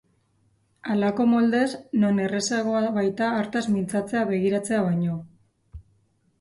Halako moldez, non errazagoa baita hartaz mintzatzea begiratzea baino.